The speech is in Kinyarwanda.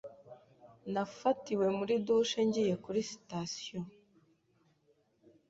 Nafatiwe muri douche ngiye kuri sitasiyo.